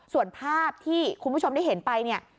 ส่วนภาพที่คุณผู้ชมได้เห็นไปเนี่ย